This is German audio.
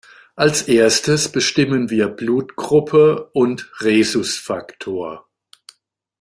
Als Erstes bestimmen wir Blutgruppe und Rhesusfaktor.